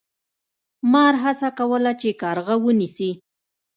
مار هڅه کوله چې کارغه ونیسي.